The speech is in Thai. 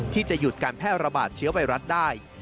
ที่จะหยุดการแพร่ระบาดเชื้อไวรัสได้